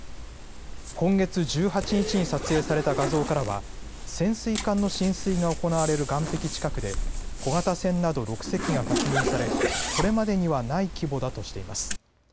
今月１８日に撮影された画像からは潜水艦の進水が行われる岸壁近くで小型船など６隻が確認され、これまでにはない規模だとしています。